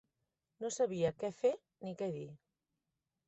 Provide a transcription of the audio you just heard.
No sabia què fer ni què dir